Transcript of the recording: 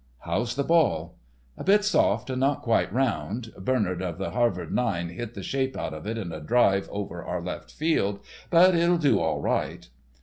"How's the ball?" "A bit soft and not quite round. Bernard of the Harvard nine hit the shape out of it in a drive over our left field, but it'll do all right."